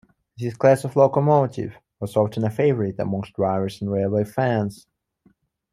This class of locomotive was often a favourite amongst drivers and railway fans.